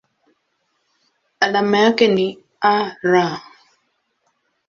Alama yake ni Ar.